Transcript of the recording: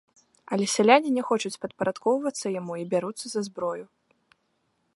Але сяляне не хочуць падпарадкоўвацца яму і бяруцца за зброю.